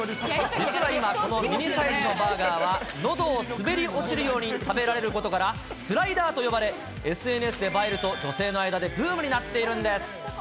実は今、このミニサイズのバーガーは、のどを滑り落ちるように食べられることから、スライダーと呼ばれ、ＳＮＳで映えると女性の間でブームになっているんです。